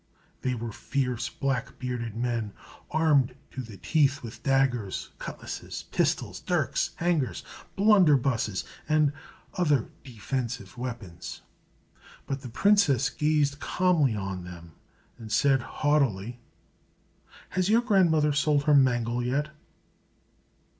They were fierce, black bearded men, armed to the teeth with daggers, cutlasses, pistols, dirks, hangers, blunderbusses, and other defensive weapons; but the princess gazed calmly on them, and said haughtily, "Has your grandmother sold her mangle yet?"